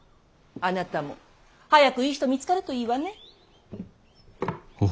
あなたも早くいい人見つかるといいわね。